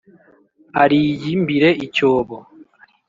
ariyimbire icyobo.